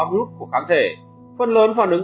group của kháng thể phần lớn phản ứng